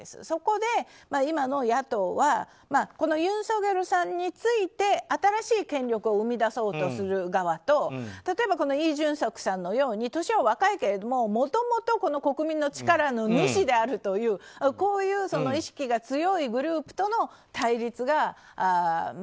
そこで、今の野党はユン・ソギョルさんについて新しい権力を生み出そうとする側と例えばイ・ジュンソクさんのように年は若いけど、もともと国民の力の主であるというこういう意識が強いグループとの対立が。